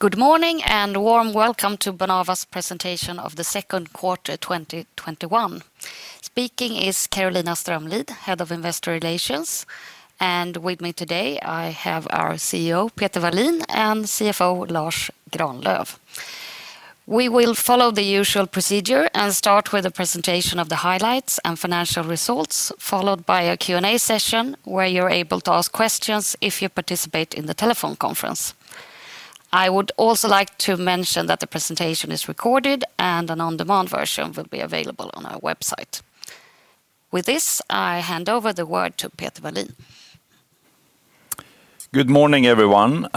Good morning, and warm welcome to Bonava's presentation of the second quarter 2021. Speaking is Carolina Strömlid, Head of Investor Relations, and with me today, I have our CEO, Peter Wallin, and CFO, Lars Granlöf. We will follow the usual procedure and start with a presentation of the highlights and financial results, followed by a Q&A session where you're able to ask questions if you participate in the telephone conference. I would also like to mention that the presentation is recorded, and an on-demand version will be available on our website. With this, I hand over the word to Peter Wallin. Good morning, everyone,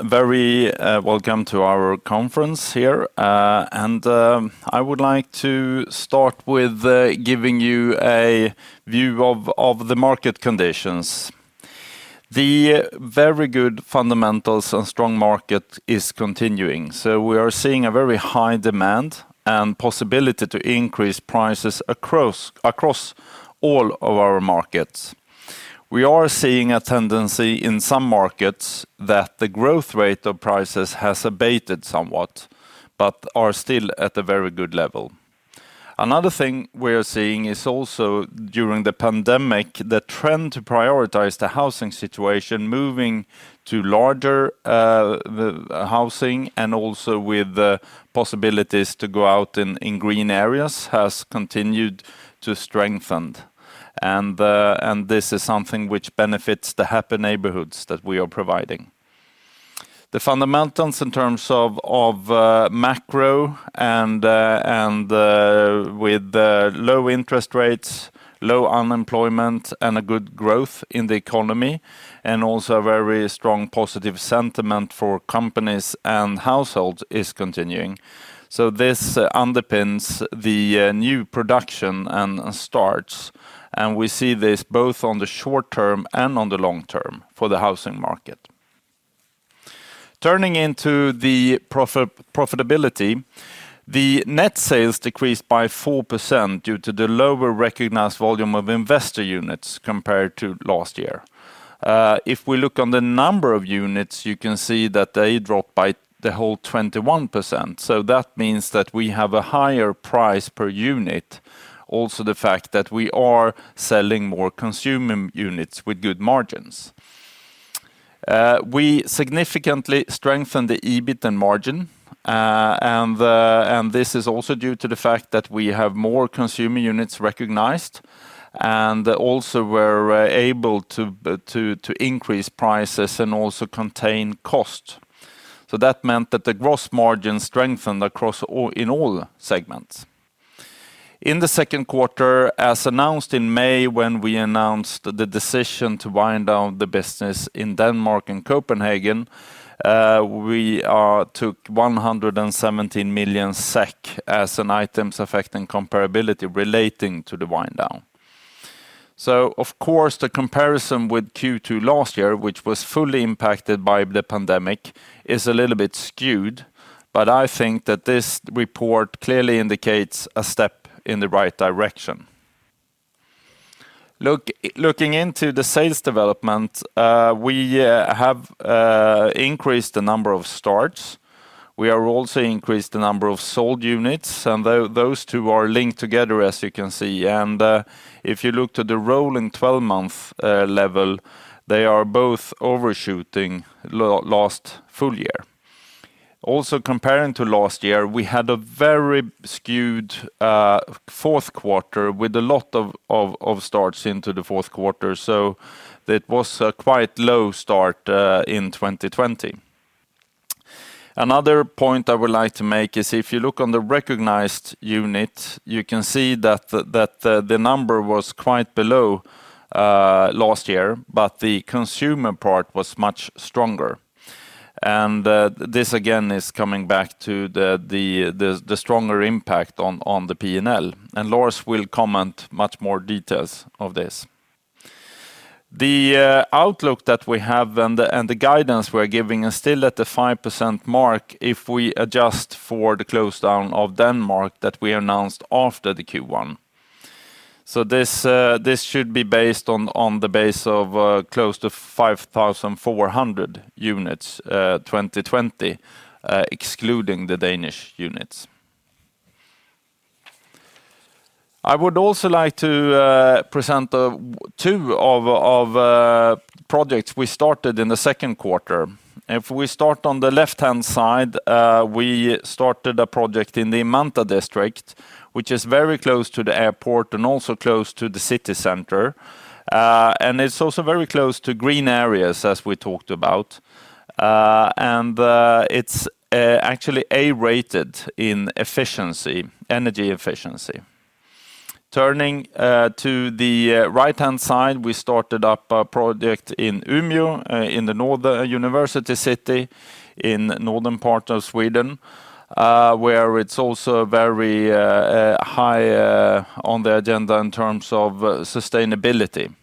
very welcome to our conference here. I would like to start with giving you a view of the market conditions. The very good fundamentals and strong market is continuing so we are seeing a very high demand and possibility to increase prices across all of our markets. We are seeing a tendency in some markets that the growth rate of prices has abated somewhat, but are still at a very good level. Another thing we are seeing is also during the pandemic, the trend to prioritize the housing situation, moving to larger housing and also with the possibilities to go out in green areas, has continued to strengthen, and this is something which benefits the happy neighborhoods that we are providing. The fundamentals in terms of macro with low interest rates, low unemployment, a good growth in the economy, and also a very strong positive sentiment for companies and households is continuing. This underpins the new production and starts, and we see this both on the short term and on the long term for the housing market. Turning into the profitability, the net sales decreased by 4% due to the lower recognized volume of investor units compared to last year. If we look on the number of units, you can see that they dropped by the whole 21%, so that means that we have a higher price per unit. Also, the fact that we are selling more consumer units with good margins. We significantly strengthened the EBIT and margin. This is also due to the fact that we have more consumer units recognized, and also we're able to increase prices and also contain cost. That meant that the gross margin strengthened in all segments. In the second quarter, as announced in May when we announced the decision to wind down the business in Denmark and Copenhagen, we took 117 million SEK as an items affecting comparability relating to the wind down. Of course, the comparison with Q2 last year, which was fully impacted by the pandemic, is a little bit skewed, but I think that this report clearly indicates a step in the right direction. Looking into the sales development. We have increased the number of starts. We are also increased the number of sold units, and those two are linked together as you can see and if you look to the rolling 12-month level, they are both overshooting last full year. Also comparing to last year, we had a very skewed fourth quarter with a lot of starts into the fourth quarter so it was a quite low start in 2020. Another point I would like to make is if you look on the recognized unit, you can see that the number was quite below last year, but the consumer part was much stronger. This again is coming back to the stronger impact on the P&L and Lars will comment much more details of this. The outlook that we have and the guidance we're giving is still at the 5% mark if we adjust for the close down of Denmark that we announced after the Q1. This should be based on the base of close to 5,400 units 2020, excluding the Danish units. I would also like to present two of projects we started in the second quarter. If we start on the left-hand side, we started a project in the Vantaa district, which is very close to the airport and also close to the city center. It is also very close to green areas as we talked about. It is actually A-rated in energy efficiency. Turning to the right-hand side, we started up a project in Umeå, in the university city in northern part of Sweden, where it is also very high on the agenda in terms of sustainability.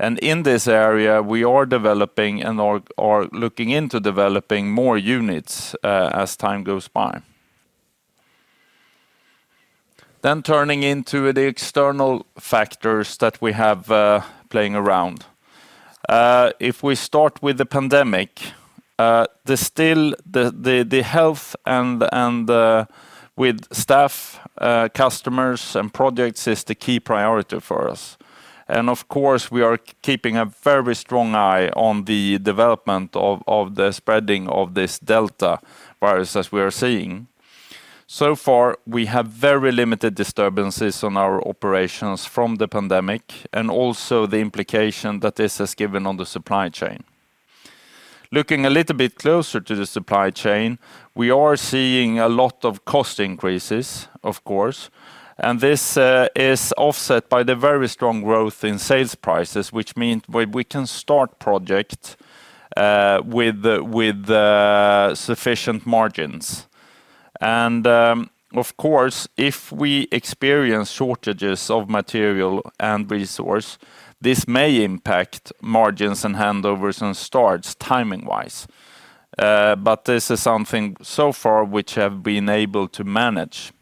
In this area, we are developing and are looking into developing more units as time goes by. Turning into the external factors that we have playing around. If we start with the pandemic, the health and with staff, customers, and projects is the key priority for us. Of course, we are keeping a very strong eye on the development of the spreading of this Delta variant as we are seeing. So far, we have very limited disturbances on our operations from the pandemic, and also the implication that this has given on the supply chain. Looking a little bit closer to the supply chain, we are seeing a lot of cost increases, of course. This is offset by the very strong growth in sales prices, which mean we can start project with sufficient margins. Of course, if we experience shortages of material and resource, this may impact margins and handovers and starts timing-wise but this is something so far which have been able to manage.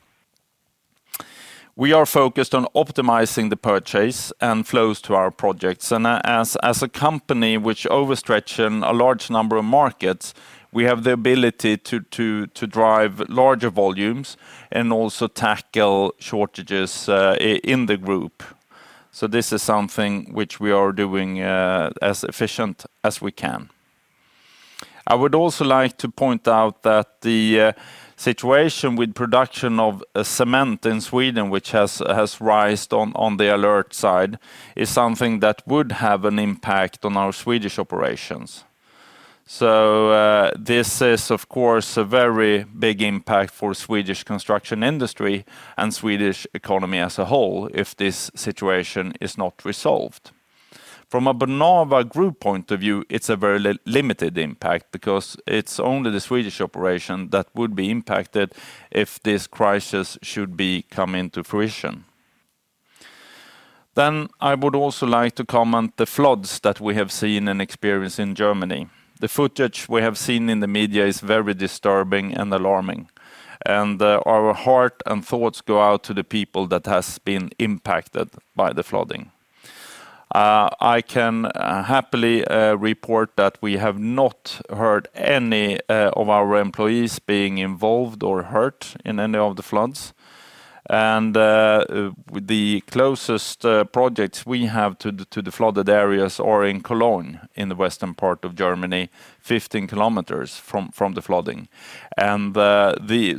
We are focused on optimizing the purchase and flows to our projects. As a company which overstretch in a large number of markets, we have the ability to drive larger volumes and also tackle shortages in the group. This is something which we are doing as efficient as we can. I would also like to point out that the situation with production of cement in Sweden, which has rised on the alert side, is something that would have an impact on our Swedish operations. This is, of course, a very big impact for Swedish construction industry and Swedish economy as a whole if this situation is not resolved. From a Bonava Group point of view, it's a very limited impact because it's only the Swedish operation that would be impacted if this crisis should be come into fruition. I would also like to comment the floods that we have seen and experienced in Germany. The footage we have seen in the media is very disturbing and alarming. Our heart and thoughts go out to the people that has been impacted by the flooding. I can happily report that we have not heard any of our employees being involved or hurt in any of the floods. The closest projects we have to the flooded areas are in Cologne, in the western part of Germany, 15 km from the flooding.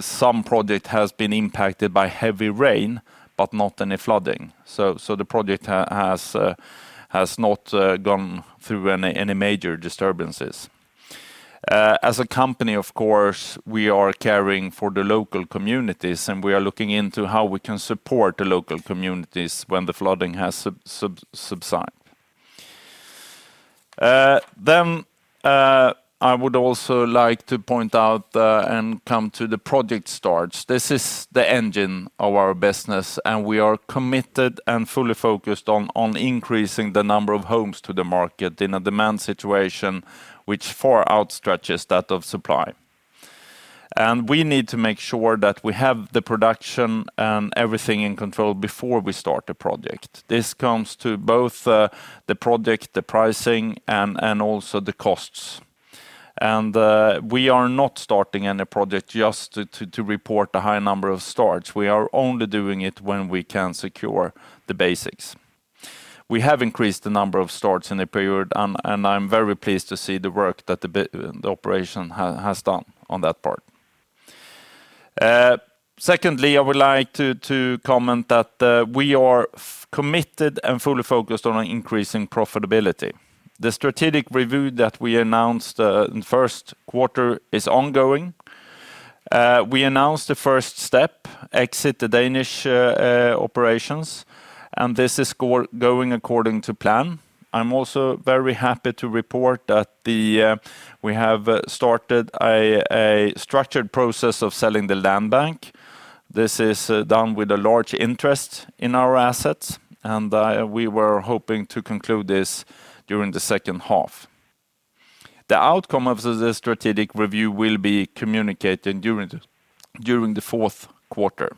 Some project has been impacted by heavy rain, but not any flooding. The project has not gone through any major disturbances. As a company, of course, we are caring for the local communities, and we are looking into how we can support the local communities when the flooding has subside. I would also like to point out, and come to the project starts. This is the engine of our business. We are committed and fully focused on increasing the number of homes to the market in a demand situation which far outstretches that of supply and we need to make sure that we have the production and everything in control before we start a project. This comes to both the project, the pricing, and also the costs. We are not starting any project just to report a high number of starts. We are only doing it when we can secure the basics. We have increased the number of starts in the period and I'm very pleased to see the work that the operation has done on that part. Secondly, I would like to comment that we are committed and fully focused on increasing profitability. The strategic review that we announced in first quarter is ongoing. We announced the first step, exit the Danish operations and this is going according to plan. I'm also very happy to report that we have started a structured process of selling the land bank. This is done with a large interest in our assets. We were hoping to conclude this during the second half. The outcome of the strategic review will be communicated during the fourth quarter.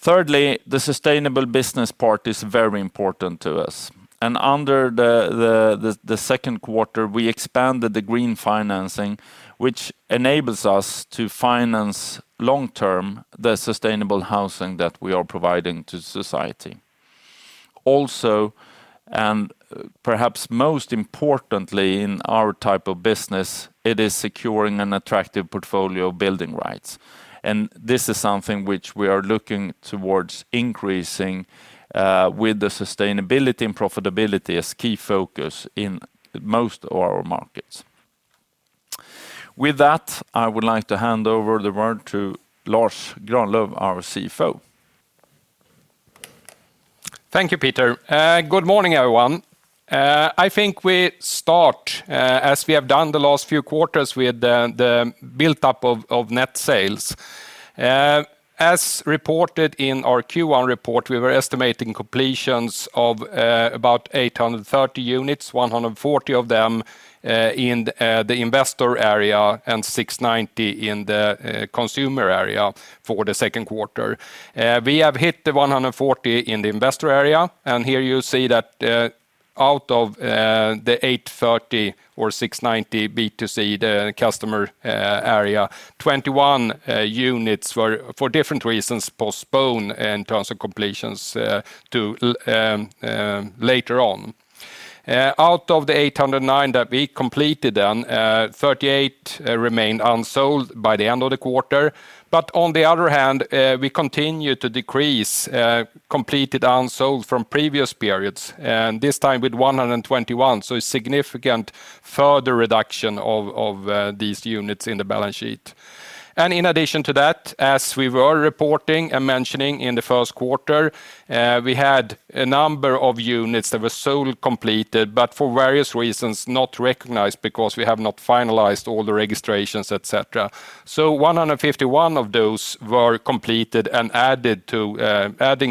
Thirdly, the sustainable business part is very important to us. Under the second quarter, we expanded the green financing, which enables us to finance long term, the sustainable housing that we are providing to society. Also, perhaps most importantly in our type of business, it is securing an attractive portfolio of building rights. This is something which we are looking towards increasing, with the sustainability and profitability as key focus in most of our markets. With that, I would like to hand over the word to Lars Granlöf, our CFO. Thank you, Peter. Good morning, everyone. I think we start, as we have done the last few quarters, with the buildup of net sales. As reported in our Q1 report, we were estimating completions of about 830 units, 140 of them in the investor area and 690 in the consumer area for the second quarter. We have hit the 140 in the investor area. Out of the 830 or 690 B2C, the customer area, 21 units for different reasons postponed in terms of completions to later on. Out of the 809 that we completed, 38 remained unsold by the end of the quarter. On the other hand, we continue to decrease completed unsold from previous periods, and this time with 121. A significant further reduction of these units in the balance sheet. In addition to that, as we were reporting and mentioning in the first quarter, we had a number of units that were sold completed, but for various reasons, not recognized because we have not finalized all the registrations, etc., so 151 of those were completed and adding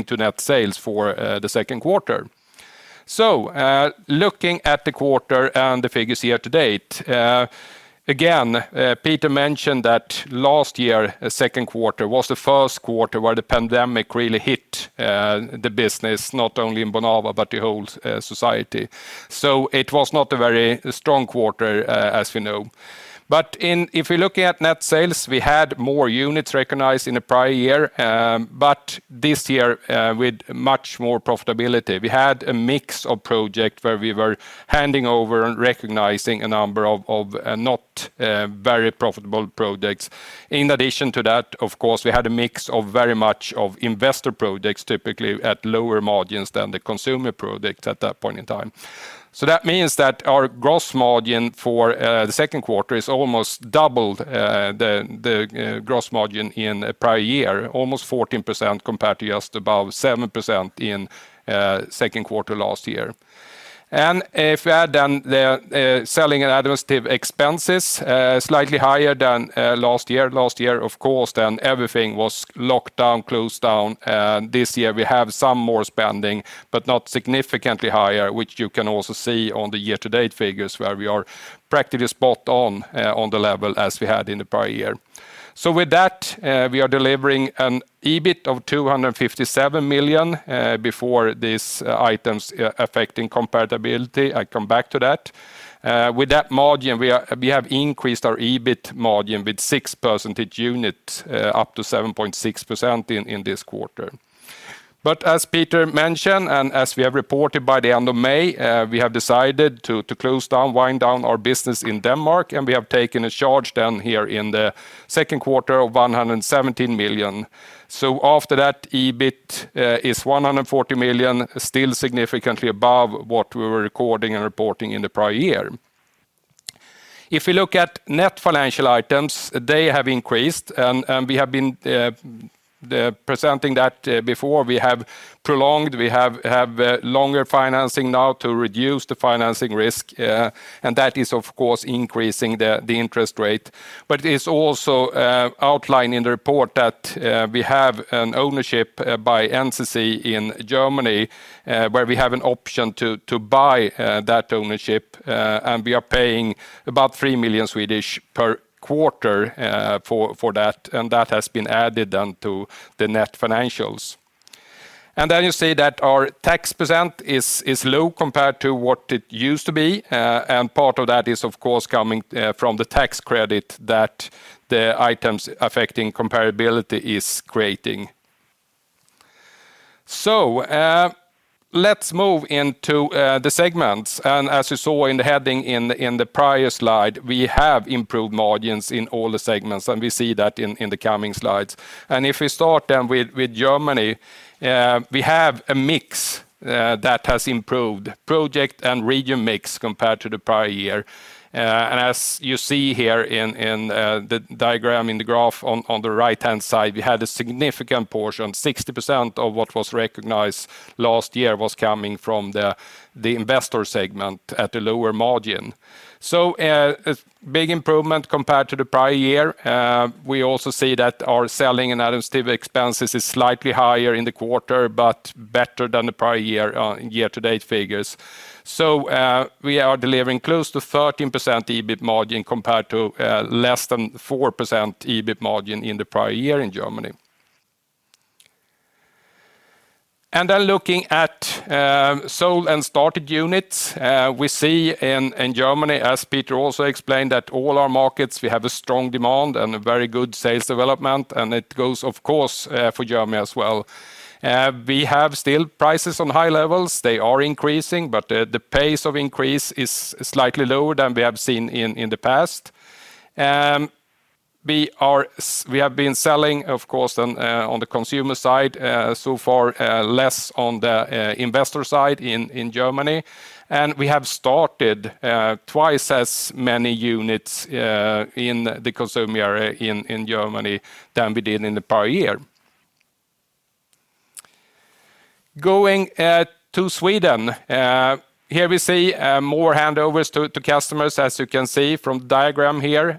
to net sales for the second quarter. Looking at the quarter and the figures year-to-date. Again, Peter mentioned that last year, second quarter, was the first quarter where the pandemic really hit the business, not only in Bonava but the whole society. It was not a very strong quarter as we know. If you're looking at net sales, we had more units recognized in the prior year, but this year with much more profitability. We had a mix of project where we were handing over and recognizing a number of not very profitable projects. In addition to that, of course, we had a mix of very much of investor projects, typically at lower margins than the consumer projects at that point in time so that means that our gross margin for the second quarter is almost double the gross margin in prior year, almost 14% compared to just above 7% in second quarter last year. If we add the selling and administrative expenses, slightly higher than last year. Last year, of course, everything was locked down, closed down. This year, we have some more spending, but not significantly higher, which you can also see on the year-to-date figures where we are practically spot on the level as we had in the prior year. With that, we are delivering an EBIT of 257 million, before these items affecting comparability. I come back to that. With that margin, we have increased our EBIT margin with 6 percentage unit up to 7.6% in this quarter. As Peter mentioned, and as we have reported by the end of May, we have decided to close down, wind down our business in Denmark, and we have taken a charge down here in the second quarter of 117 million. After that, EBIT is 140 million, still significantly above what we were recording and reporting in the prior year. If we look at net financial items, they have increased, and we have been presenting that before. We have prolonged. We have longer financing now to reduce the financing risk, and that is, of course, increasing the interest rate. It is also outlined in the report that we have an ownership by NCC in Germany, where we have an option to buy that ownership, and we are paying about 3 million per quarter for that, and that has been added on to the net financials. You see that our tax percent is low compared to what it used to be. Part of that is, of course, coming from the tax credit that the items affecting comparability is creating. Let's move into the segments. As you saw in the heading in the prior slide, we have improved margins in all the segments, and we see that in the coming slides. If we start then with Germany, we have a mix that has improved, project and region mix compared to the prior year. As you see here in the diagram, in the graph on the right-hand side, we had a significant portion, 60% of what was recognized last year was coming from the investor segment at a lower margin. A big improvement compared to the prior year. We also see that our selling and administrative expenses is slightly higher in the quarter, but better than the prior year on year-to-date figures. We are delivering close to 13% EBIT margin compared to less than 4% EBIT margin in the prior year in Germany. Looking at sold and started units, we see in Germany, as Peter also explained, that all our markets, we have a strong demand and a very good sales development, and it goes, of course, for Germany as well. We have still prices on high levels. They are increasing, but the pace of increase is slightly lower than we have seen in the past. We have been selling, of course, on the consumer side, so far less on the investor side in Germany. We have started twice as many units in the consumer area in Germany than we did in the prior year. Going to Sweden. Here we see more handovers to customers, as you can see from diagram here,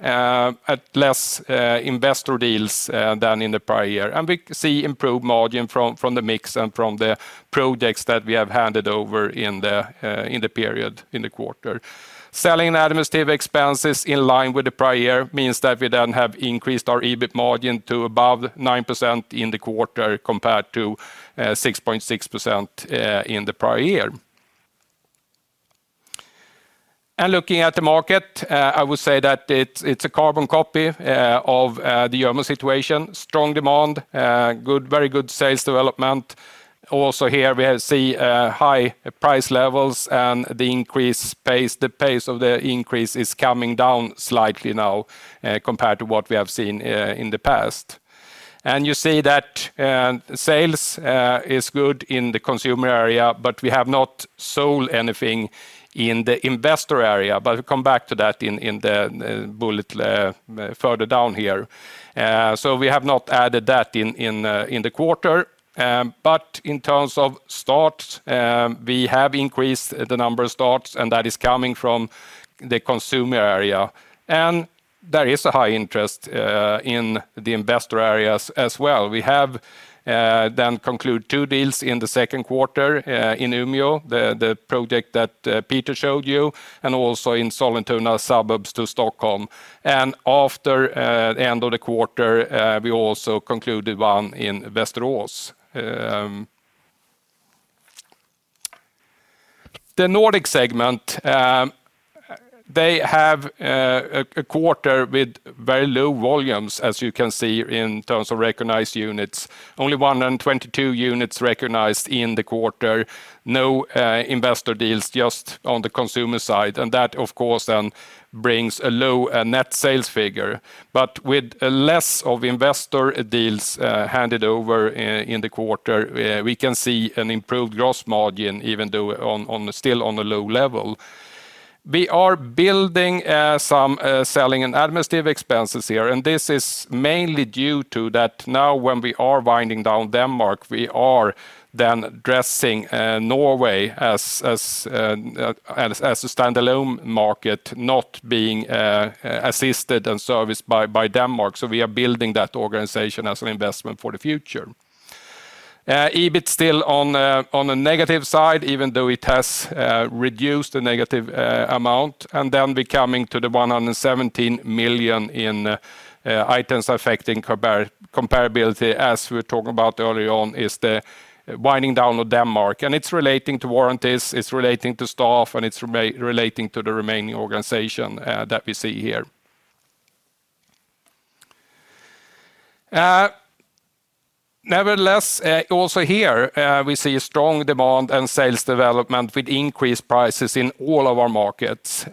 at less investor deals than in the prior year. We see improved margin from the mix and from the projects that we have handed over in the period, in the quarter. Selling and administrative expenses in line with the prior year means that we then have increased our EBIT margin to above 9% in the quarter, compared to 6.6% in the prior year. Looking at the market, I would say that it's a carbon copy of the German situation. Strong demand, very good sales development. Also here we see high price levels and the pace of the increase is coming down slightly now compared to what we have seen in the past. You see that sales is good in the consumer area, but we have not sold anything in the investor area. We'll come back to that in the bullet further down here. We have not added that in the quarter. In terms of starts, we have increased the number of starts, and that is coming from the consumer area. There is a high interest in the investor areas as well. We have concluded two deals in the second quarter in Umeå, the project that Peter showed you, and also in Sollentuna, suburbs to Stockholm. After the end of the quarter, we also concluded one in Västerås. The Nordic segment, they have a quarter with very low volumes, as you can see, in terms of recognized units. Only 122 units recognized in the quarter. No investor deals, just on the consumer side and that, of course, then brings a low net sales figure. With less investor deals handed over in the quarter, we can see an improved gross margin, even though still on a low level. We are building some selling and administrative expenses here, and this is mainly due to that now when we are winding down Denmark, we are then addressing Norway as a standalone market, not being assisted and serviced by Denmark so we are building that organization as an investment for the future. EBIT still on the negative side, even though it has reduced the negative amount. We're coming to the 117 million in items affecting comparability, as we were talking about earlier on, is the winding down of Denmark. It's relating to warranties, it's relating to staff, and it's relating to the remaining organization that we see here. Nevertheless, also here we see a strong demand and sales development with increased prices in all of our markets.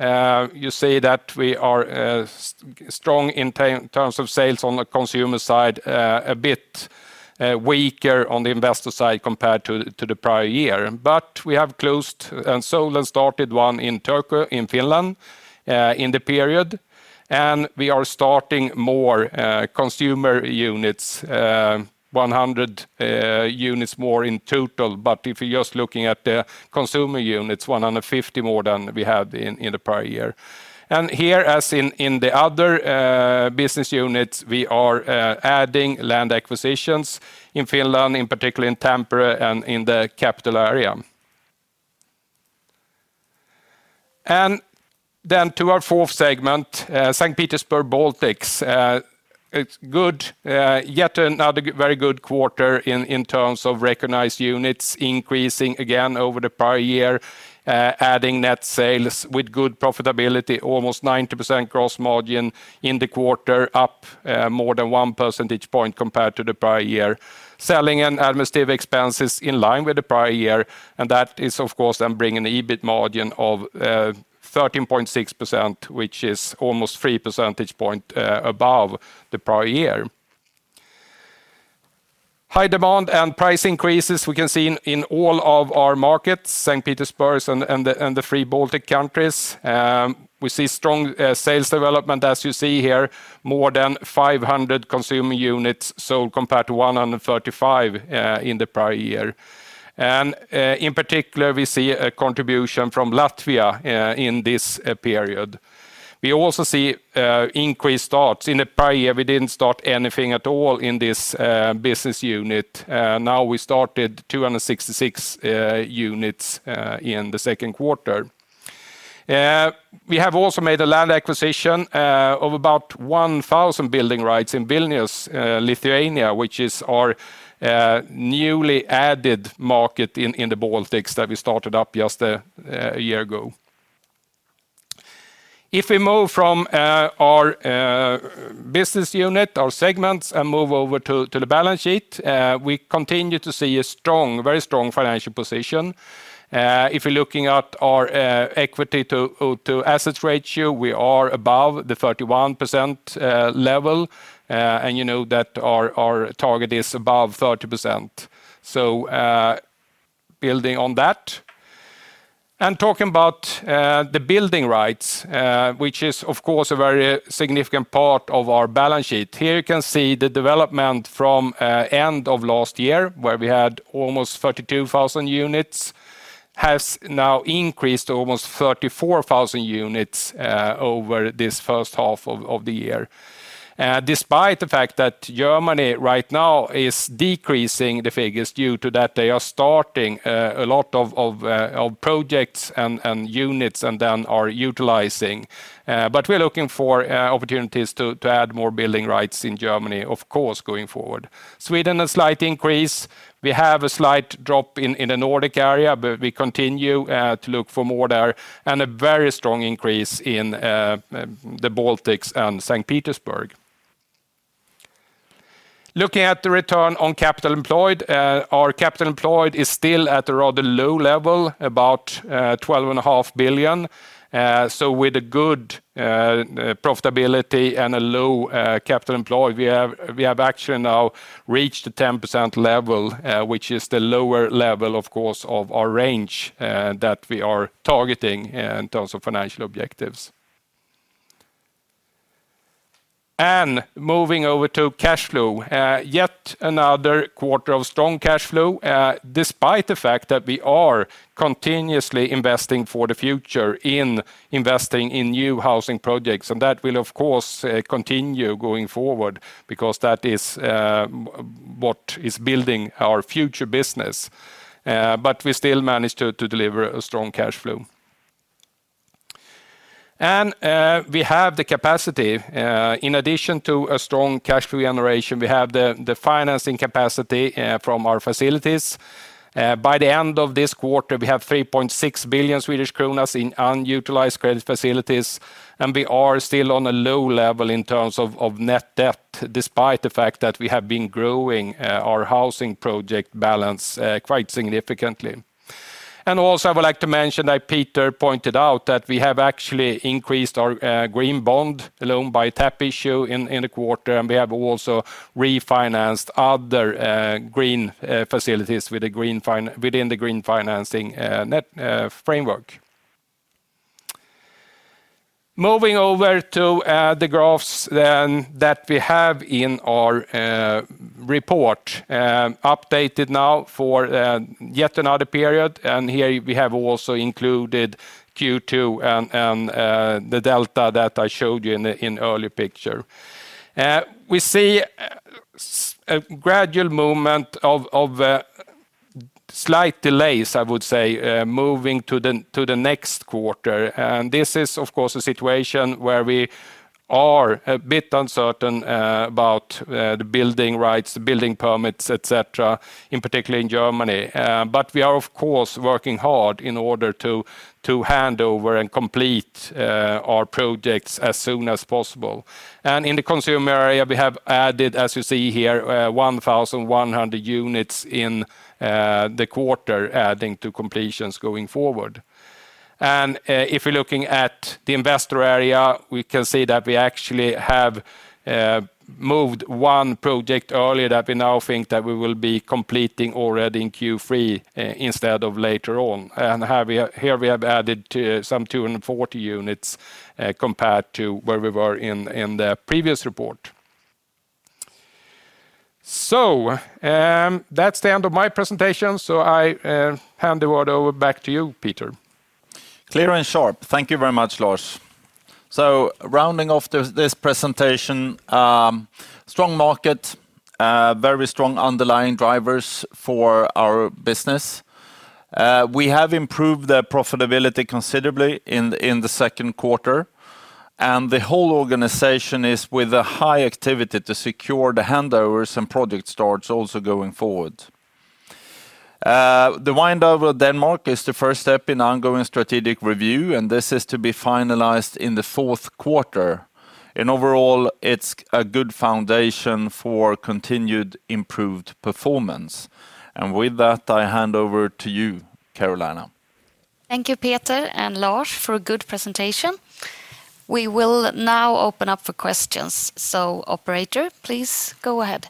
You see that we are strong in terms of sales on the consumer side. A bit weaker on the investor side compared to the prior year. We have closed and sold and started one in Turku, in Finland, in the period. We are starting more consumer units, 100 units more in total. If you're just looking at the consumer units, 150 more than we had in the prior year. Here, as in the other business units, we are adding land acquisitions in Finland, particularly in Tampere and in the capital area. To our fourth segment, St. Petersburg-Baltics. It's yet another very good quarter in terms of recognized units, increasing again over the prior year. Adding net sales with good profitability, almost 90% gross margin in the quarter, up more than one percentage point compared to the prior year. Selling and administrative expenses in line with the prior year. That is, of course, bringing the EBIT margin of 13.6%, which is almost 3 percentage point above the prior year. High demand and price increases we can see in all of our markets, St. Petersburg and the three Baltic countries. We see strong sales development. As you see here, more than 500 consumer units sold, compared to 135 in the prior year. In particular, we see a contribution from Latvia in this period. We also see increased starts. In the prior year, we didn't start anything at all in this business unit. Now we started 266 units in the second quarter. We have also made a land acquisition of about 1,000 building rights in Vilnius, Lithuania, which is our newly added market in the Baltics that we started up just a year ago. If we move from our business unit, our segments, and move over to the balance sheet, we continue to see a very strong financial position. If you're looking at our equity to assets ratio, we are above the 31% level. You know that our target is above 30%, so building on that. Talking about the building rights, which is of course a very significant part of our balance sheet. Here you can see the development from end of last year, where we had almost 32,000 units, has now increased to almost 34,000 units over this first half of the year. Despite the fact that Germany right now is decreasing the figures due to that they are starting a lot of projects and units, and then are utilizing. We're looking for opportunities to add more building rights in Germany, of course, going forward. Sweden, a slight increase. We have a slight drop in the Nordic area, but we continue to look for more there. A very strong increase in the Baltics and St. Petersburg. Looking at the return on capital employed. Our capital employed is still at a rather low level, about 12.5 billion. With a good profitability and a low capital employed, we have actually now reached the 10% level, which is the lower level, of course, of our range that we are targeting in terms of financial objectives. Moving over to cash flow. Yet another quarter of strong cash flow, despite the fact that we are continuously investing for the future in investing in new housing projects. That will, of course, continue going forward because that is what is building our future business. We still managed to deliver a strong cash flow. We have the capacity. In addition to a strong cash flow generation, we have the financing capacity from our facilities. By the end of this quarter, we have 3.6 billion Swedish kronor in unutilized credit facilities. We are still on a low level in terms of net debt, despite the fact that we have been growing our housing project balance quite significantly. Also, I would like to mention, like Peter pointed out, that we have actually increased our green bond loan by tap issue in the quarter. We have also refinanced other green facilities within the green financing framework. Moving over to the graphs then that we have in our report. Updated now for yet another period. Here we have also included Q2 and the Delta that I showed you in the early picture. We see a gradual movement of slight delays, I would say, moving to the next quarter. This is, of course, a situation where we are a bit uncertain about the building rights, the building permits, etc., in particular in Germany. We are, of course, working hard in order to hand over and complete our projects as soon as possible. In the consumer area, we have added, as you see here, 1,100 units in the quarter, adding to completions going forward. If we're looking at the investor area, we can see that we actually have moved one project earlier that we now think that we will be completing already in Q3 instead of later on. Here we have added some 240 units, compared to where we were in the previous report. That's the end of my presentation. I hand the word over back to you, Peter. Clear and sharp. Thank you very much, Lars. Rounding off this presentation. Strong market, very strong underlying drivers for our business. We have improved the profitability considerably in the second quarter. The whole organization is with a high activity to secure the handovers and project starts also going forward. The wind over Denmark is the first step in ongoing strategic review, and this is to be finalized in the fourth quarter. Overall, it's a good foundation for continued improved performance. With that, I hand over to you, Carolina. Thank you, Peter and Lars, for a good presentation. We will now open up for questions. Operator, please go ahead.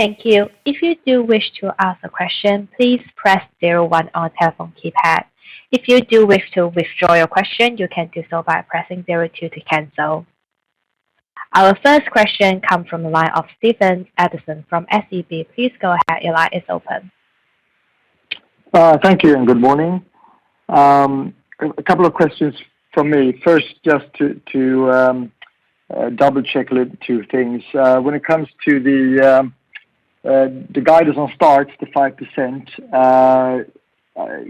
Thank you. If you do wish to ask a question, please press zero one on your telephone keypad. If you do wish to withdraw your question, you can do so by pressing zero two to cancel. Our first question comes from the line of Stefan Ericsson from SEB. Please go ahead. Your line is open. Thank you, and good morning. A couple of questions from me. First, just to double-check two things. When it comes to the guidance on starts, the 5%,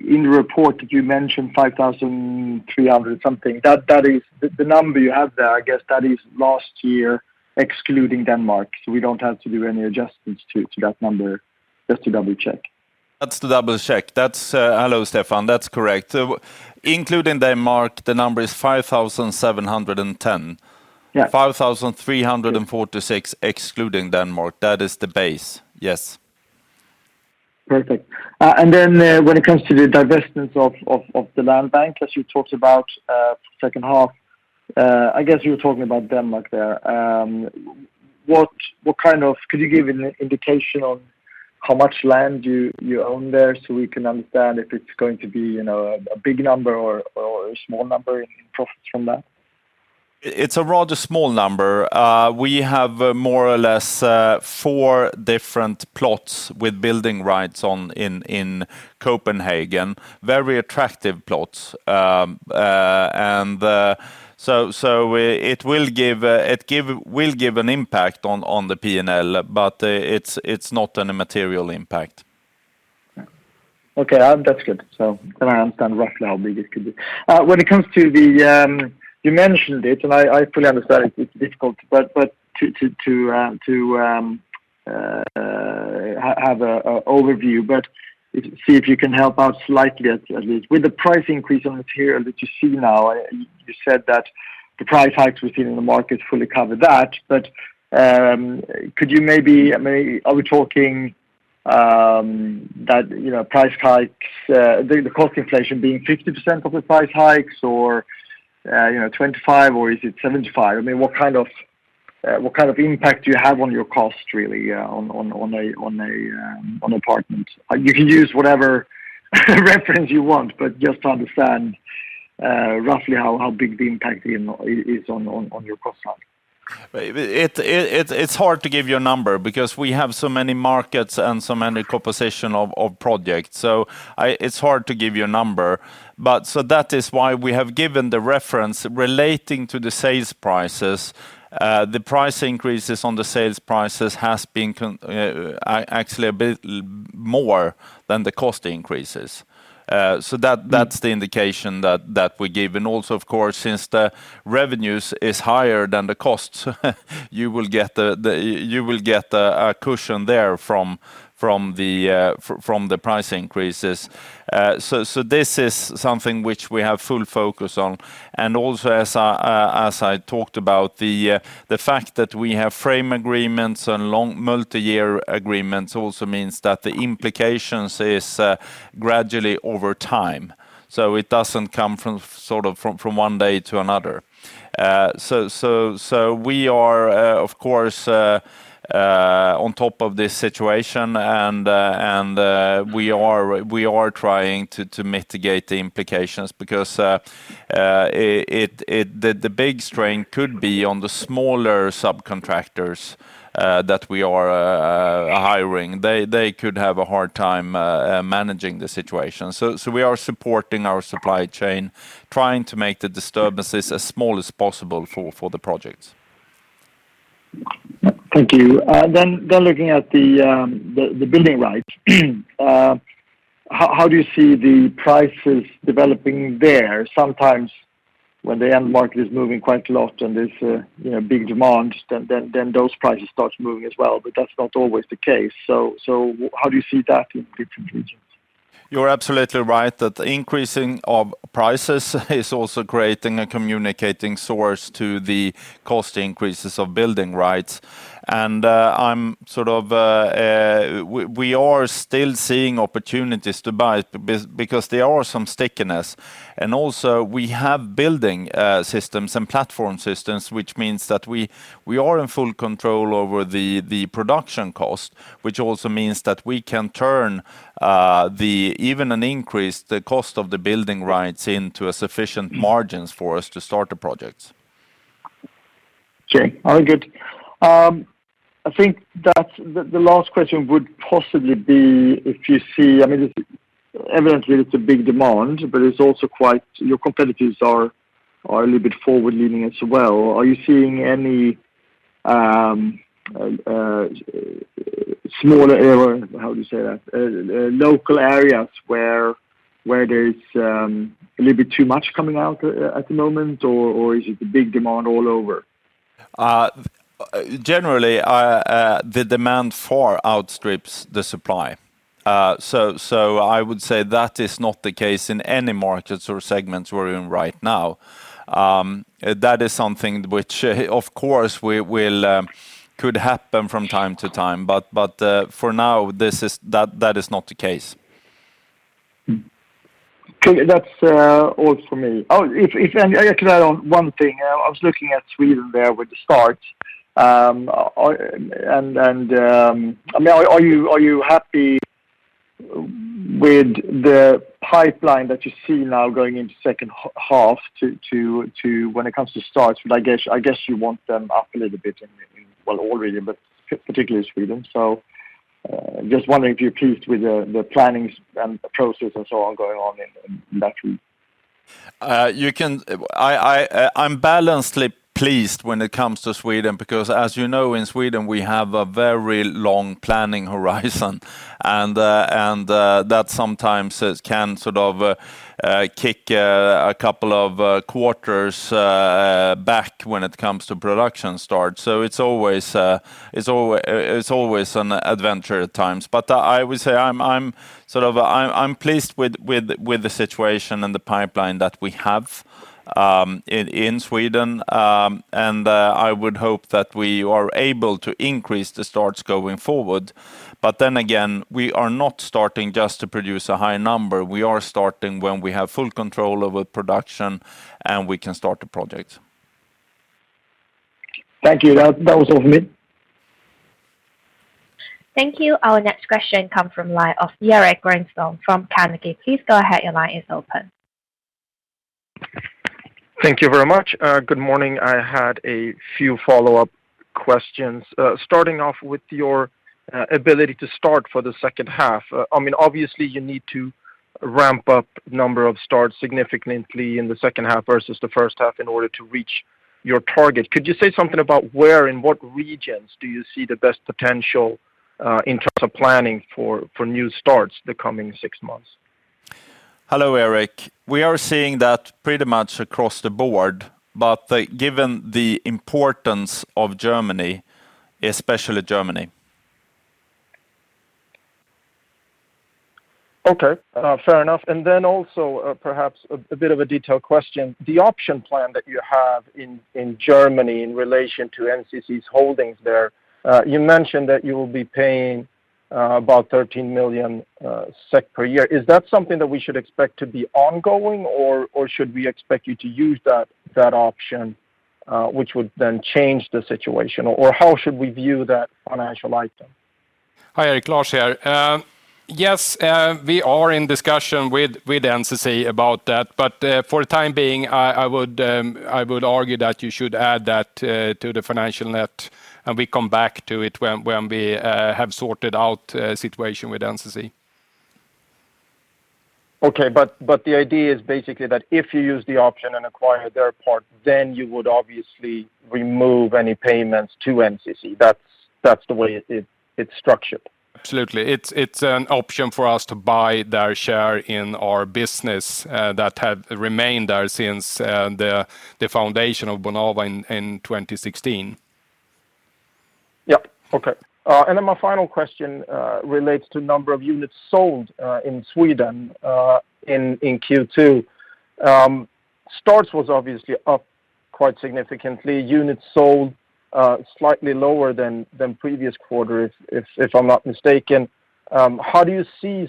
in the report that you mentioned, 5,300 something. The number you have there, I guess that is last year, excluding Denmark. We don't have to do any adjustments to that number? Just to double-check. Just to double-check. Hello, Stefan. That's correct. Including Denmark, the number is 5,710. Yeah. 5,346 excluding Denmark. That is the base. Yes. Perfect. When it comes to the divestments of the land bank, as you talked about second half, I guess you were talking about Denmark there. Could you give an indication on how much land you own there, so we can understand if it's going to be a big number or a small number in profits from that? It's a rather small number. We have more or less four different plots with building rights in Copenhagen. Very attractive plots. It will give an impact on the P&L, but it's not any material impact. Okay. That's good. I understand roughly how big it could be. When it comes to, you mentioned it, and I fully understand it's difficult, but to have an overview, but see if you can help out slightly at least. With the price increase on material that you see now, you said that the price hikes we've seen in the market fully cover that. Could you maybe, are we talking that the cost inflation being 50% of the price hikes or 25%, or is it 75%? What kind of impact do you have on your cost really on apartment? You can use whatever reference you want, but just to understand roughly how big the impact is on your cost margin. It's hard to give you a number because we have so many markets and so many composition of projects, so it's hard to give you a number. That is why we have given the reference relating to the sales prices. The price increases on the sales prices has been actually a bit more than the cost increases. That's the indication that we give. Also, of course, since the revenues is higher than the costs, you will get a cushion there from the price increases. This is something which we have full focus on. Also, as I talked about, the fact that we have frame agreements and long multi-year agreements also means that the implications is gradually over time. It doesn't come from one day to another. We are, of course, on top of this situation, and we are trying to mitigate the implications because the big strain could be on the smaller subcontractors that we are hiring. They could have a hard time managing the situation. We are supporting our supply chain, trying to make the disturbances as small as possible for the projects. Thank you. Looking at the building rights, how do you see the prices developing there? Sometimes when the end market is moving quite a lot and there's a big demand, then those prices start moving as well, but that's not always the case. How do you see that in different regions? You're absolutely right that the increasing of prices is also creating a communicating source to the cost increases of building rights. We are still seeing opportunities to buy because there are some stickiness. Also we have building systems and platform systems, which means that we are in full control over the production cost, which also means that we can turn even an increase the cost of the building rights into a sufficient margins for us to start the projects. Okay. All good. I think that the last question would possibly be. Evidently it's a big demand, but your competitors are a little bit forward-leaning as well. Are you seeing any smaller area, how to say that, local areas where there's a little bit too much coming out at the moment? Is it the big demand all over? Generally, the demand far outstrips the supply. I would say that is not the case in any markets or segments we're in right now and that is something which of course could happen from time to time, but for now, that is not the case. Okay. That's all for me. Can I add on one thing? I was looking at Sweden there with the starts. Are you happy with the pipeline that you see now going into second half when it comes to starts? I guess you want them up a little bit, well, already, but particularly Sweden. Just wondering if you're pleased with the planning process and so on going on in that region. I'm balancedly pleased when it comes to Sweden because as you know, in Sweden, we have a very long planning horizon and that sometimes can sort of kick a couple of quarters back when it comes to production start. It's always an adventure at times. I would say I'm pleased with the situation and the pipeline that we have in Sweden. I would hope that we are able to increase the starts going forward, but then again, we are not starting just to produce a high number. We are starting when we have full control over production, and we can start the projects. Thank you. That was all for me. Thank you. Our next question come from line of Erik Granström from Carnegie. Please go ahead. Your line is open. Thank you very much. Good morning. I had a few follow-up questions. Starting off with your ability to start for the second half. Obviously you need to ramp up number of starts significantly in the second half versus the first half in order to reach your target. Could you say something about where, in what regions do you see the best potential in terms of planning for new starts the coming six months? Hello, Erik. We are seeing that pretty much across the board, but given the importance of Germany, especially Germany. Okay. Fair enough. Also perhaps a bit of a detailed question. The option plan that you have in Germany in relation to NCC's holdings there, you mentioned that you will be paying about 13 million SEK per year. Is that something that we should expect to be ongoing, or should we expect you to use that option, which would then change the situation? How should we view that financial item? Hi, Erik. Lars here. Yes, we are in discussion with NCC about that. For the time being, I would argue that you should add that to the financial net, and we come back to it when we have sorted out the situation with NCC. Okay. The idea is basically that if you use the option and acquire their part, then you would obviously remove any payments to NCC. That's the way it's structured. Absolutely. It is an option for us to buy their share in our business that had remained there since the foundation of Bonava in 2016. Yep. Okay. My final question relates to number of units sold in Sweden in Q2. Starts was obviously up quite significantly. Units sold slightly lower than previous quarter, if I am not mistaken. How do you see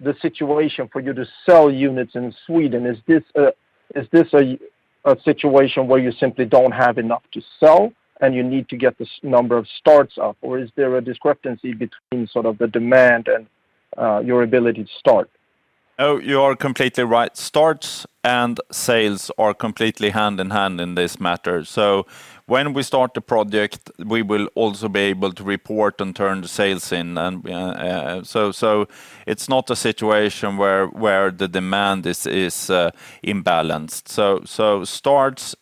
the situation for you to sell units in Sweden? Is this a situation where you simply do not have enough to sell, and you need to get the number of starts up, or is there a discrepancy between the demand and your ability to start? No, you are completely right. Starts and sales are completely hand in hand in this matter. When we start the project, we will also be able to report and turn the sales in and so it's not a situation where the demand is imbalanced. Starts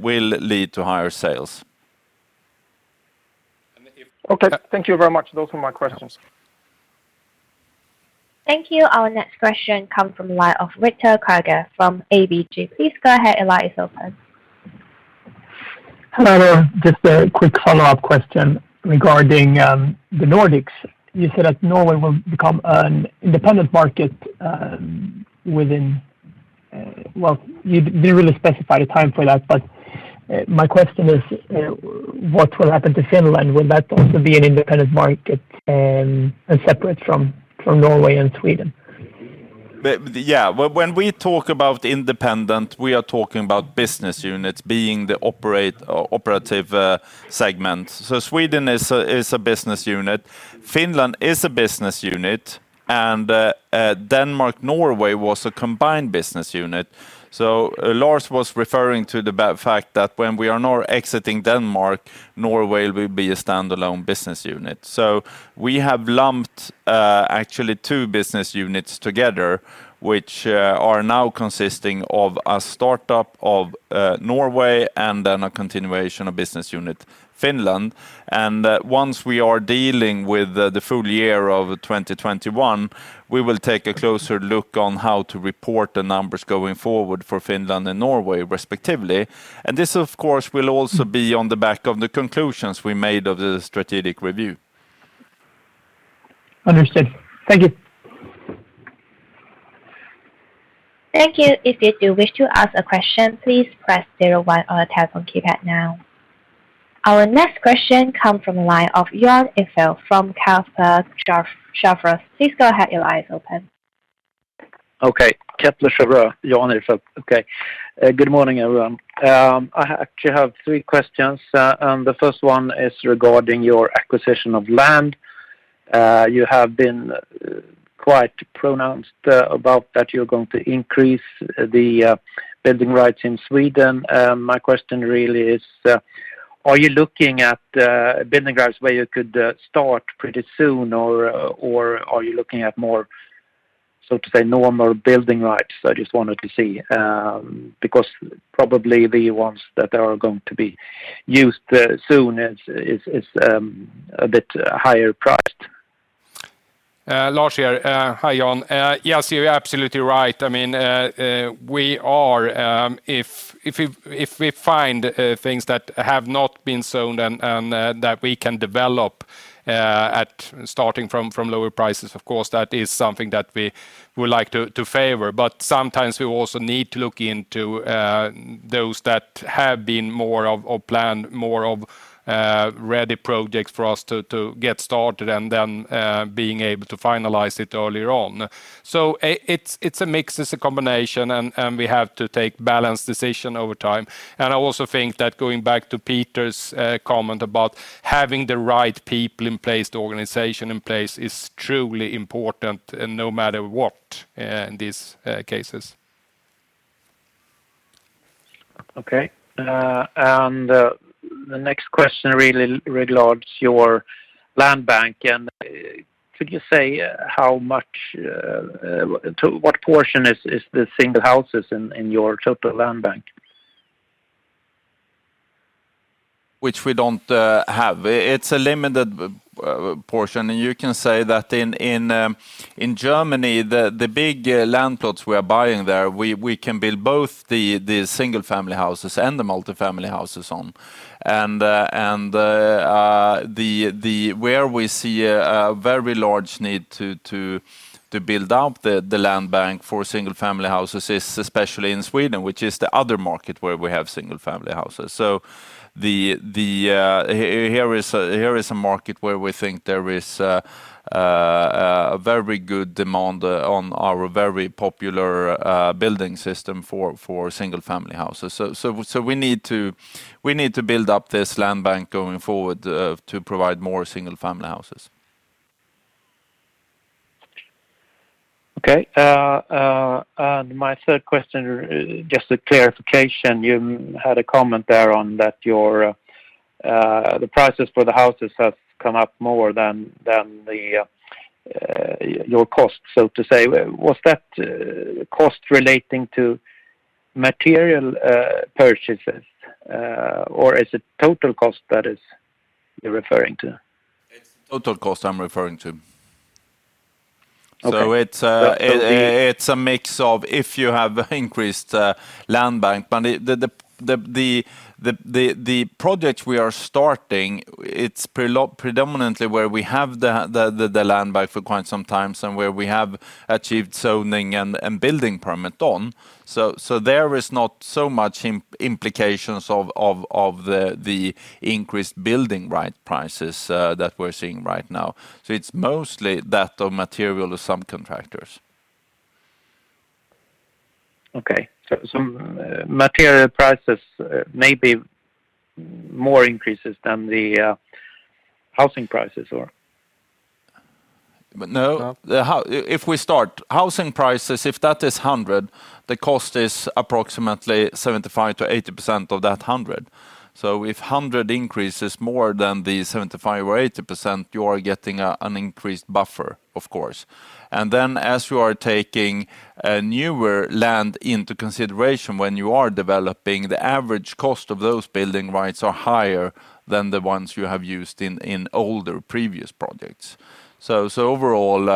will lead to higher sales. Okay. Thank you very much. Those were my questions. Thank you. Our next question come from the line of Victor Krüeger from ABG. Please go ahead. Your line is open. Hello. Just a quick follow-up question regarding the Nordics. You said that Norway will become an independent market within. Well, you didn't really specify the time for that, but my question is what will happen to Finland? Will that also be an independent market and separate from Norway and Sweden? Yeah. When we talk about independent, we are talking about business units being the operative segment. Sweden is a business unit. Finland is a business unit, and Denmark, Norway was a combined business unit. Lars was referring to the fact that when we are now exiting Denmark, Norway will be a standalone business unit. We have lumped actually two business units together, which are now consisting of a startup of Norway and then a continuation of business unit Finland. Once we are dealing with the full year of 2021, we will take a closer look on how to report the numbers going forward for Finland and Norway respectively and this, of course, will also be on the back of the conclusions we made of the strategic review. Understood. Thank you. Thank you. If you do wish to ask a question, please press zero one on your telephone keypad now. Our next question come from the line of Jan Ihrfelt from Kepler Cheuvreux. Please go ahead. Your line is open. Okay. Kepler Cheuvreux. Jan Ihrfelt. Okay. Good morning, everyone. I actually have three questions. The first one is regarding your acquisition of land. You have been quite pronounced about that you're going to increase the building rights in Sweden. My question really is, are you looking at building grounds where you could start pretty soon, or are you looking at more, so to say, normal building rights? I just wanted to see because probably the ones that are going to be used soon is a bit higher priced. Lars here. Hi, Jan. You're absolutely right, I mean, we are. If we find things that have not been zoned and that we can develop at starting from lower prices, of course, that is something that we would like to favor, but sometimes we also need to look into those that have been more of planned, more of ready projects for us to get started and then being able to finalize it earlier on. It's a mix, it's a combination, and we have to take balanced decision over time. I also think that going back to Peter's comment about having the right people in place, the organization in place, is truly important no matter what in these cases. Okay. The next question really regards your land bank. Could you say what portion is the single houses in your total land bank? Which we don't have. It's a limited portion. You can say that in Germany, the big land plots we are buying there, we can build both the single family houses and the multifamily houses on. Where we see a very large need to build up the land bank for single family houses is especially in Sweden, which is the other market where we have single family houses. Here is a market where we think there is a very good demand on our very popular building system for single family houses, so we need to build up this land bank going forward to provide more single family houses. Okay. My third question, just a clarification. You had a comment there on that the prices for the houses have come up more than your cost, so to say. Was that cost relating to material purchases, or is it total cost that you're referring to? It's total cost I'm referring to. Okay. It's a mix of if you have increased land bank. The projects we are starting, it's predominantly where we have the land bank for quite some time and where we have achieved zoning and building permit on. There is not so much implications of the increased building right prices that we're seeing right now. It's mostly that of material or subcontractors. Okay. Material prices may be more increases than the housing prices or? No. If we start, housing prices, if that is 100, the cost is approximately 75%-80% of that 100. If 100 increases more than the 75% or 80%, you are getting an increased buffer, of course. As you are taking a newer land into consideration when you are developing, the average cost of those building rights are higher than the ones you have used in older previous projects. Overall,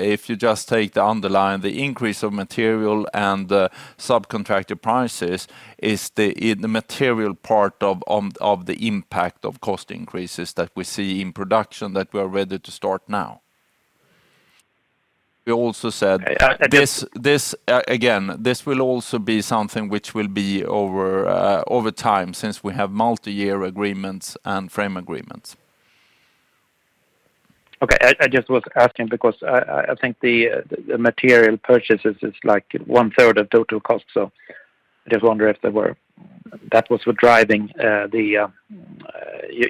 if you just take the underlying, the increase of material and subcontractor prices is the material part of the impact of cost increases that we see in production that we're ready to start now. We also said. I just- This will also be something which will be over time since we have multi-year agreements and frame agreements. Okay. I just was asking because I think the material purchases is 1/3 of total cost. I just wonder if that was what driving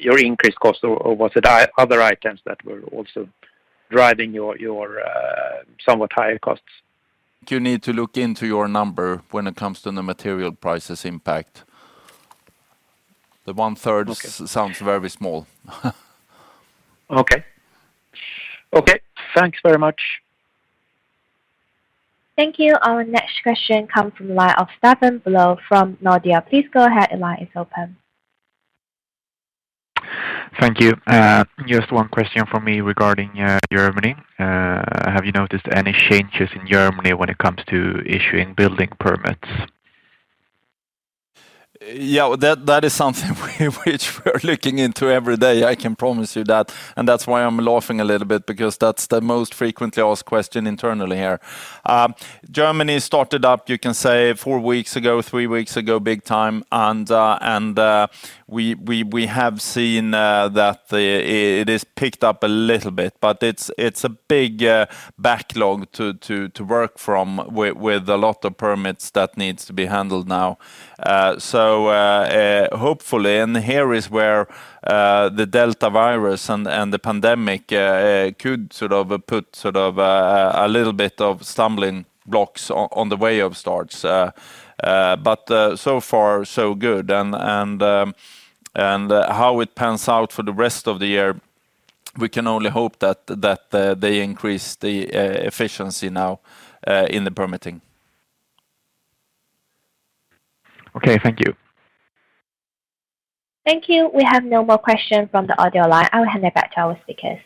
your increased cost, or was it other items that were also driving your somewhat higher costs? You need to look into your number when it comes to the material prices impact. The 1/3 sounds very small. Okay. Thanks very much. Thank you. Our next question comes from the line of Staffan Bülow from Nordea. Please go ahead. Your line is open. Thank you. Just one question from me regarding Germany. Have you noticed any changes in Germany when it comes to issuing building permits? Yeah, that is something which we're looking into every day, I can promise you that. That's why I'm laughing a little bit because that's the most frequently asked question internally here. Germany started up, you can say four weeks ago, three weeks ago, big time. We have seen that it is picked up a little bit. It's a big backlog to work from, with a lot of permits that needs to be handled now. Hopefully, and here is where the Delta variant and the pandemic could put a little bit of stumbling blocks on the way of starts. So far so good and Hhow it pans out for the rest of the year, we can only hope that they increase the efficiency now in the permitting. Okay. Thank you. Thank you. We have no more questions from the audio line. I will hand it back to our speakers.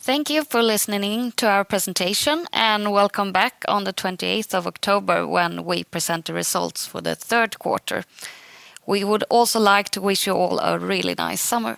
Thank you for listening to our presentation, and welcome back on the 28th of October when we present the results for the third quarter. We would also like to wish you all a really nice summer.